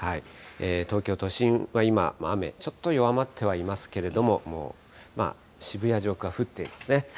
東京都心は今、雨、ちょっと弱まってはいますけれども、渋谷上空は降っていますね。